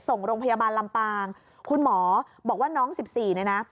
ส่งโรงพยาบาลลำปางคุณหมอบอกว่าน้องสิบสี่เนี่ยนะ